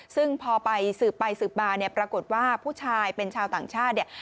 ซึ่งพอไปสืบไปสืบมาเนี่ยปรากฏว่าผู้ชายเป็นชาวต่างชาติเนี่ย